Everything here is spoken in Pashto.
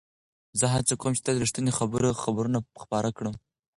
زه هڅه کوم چې تل رښتیني خبرونه خپاره کړم.